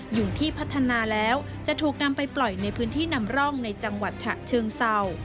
อยู่ที่พัฒนาแล้วจะถูกนำไปปล่อยในพื้นที่นำร่องในจังหวัดฉะเชิงเศร้า